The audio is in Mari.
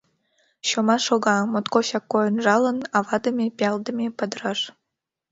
Чома шога, моткочак койын жалын, авадыме, пиалдыме падыраш.